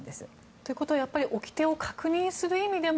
ということは、おきてを確認する意味でも、